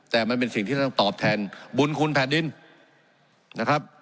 แต่มันเป็นสิ่งที่ต้องตอบแทนบุญคุณแผ่นดินนะครับ